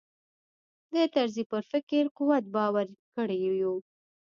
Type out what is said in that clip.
د طرزي پر فکري قوت باوري کړي یو.